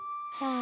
あ。